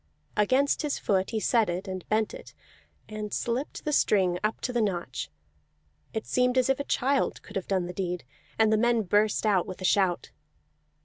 Against his foot he set it, and bent it, and slipped the string up to the notch; it seemed as if a child could have done the deed, and the men burst out with a shout.